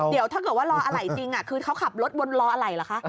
เดี๋ยวถ้าเกิดว่ารออะไรจริงคือเขาขับรถวนรออะไรเหรอคะ